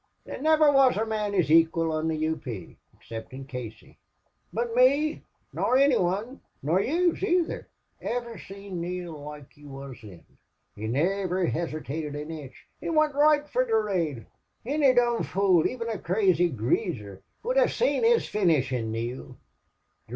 There niver wor a mon his equal on the U. P. 'ceptin' Casey.... But me, nor any wan, nor yez, either, ever seen Neale loike he wuz thin. He niver hesitated an inch, but wint roight fer Durade. Any dom' fool, even a crazy greaser, would hev seen his finish in Neale.